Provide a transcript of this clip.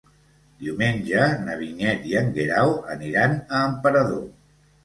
Diumenge na Vinyet i en Guerau aniran a Emperador.